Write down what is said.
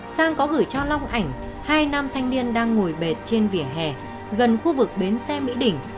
sang có gửi cho long ảnh hai nam thanh niên đang ngồi bệt trên vỉa hè gần khu vực bến xe mỹ đỉnh